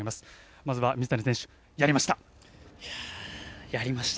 まずは水谷選手、やりました。